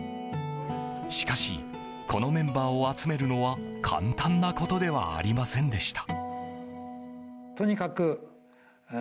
しかしこのメンバーを集めるのは簡単なことではありませんでした。